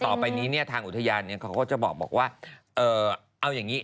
ต่อไปเนี่ยทางอุทยานเนี่ยเขาก็จะบอกว่าเออเอายังนี้